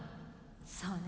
そうね。